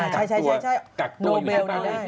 ใช่โนเบล